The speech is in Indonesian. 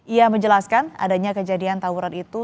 ia menjelaskan adanya kejadian tawuran itu